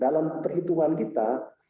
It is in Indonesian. dalam perhitungan kita